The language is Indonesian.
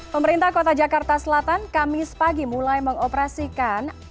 pemerintah kota jakarta selatan kamis pagi mulai mengoperasikan